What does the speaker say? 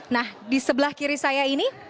nah di sebelah kiri saya ini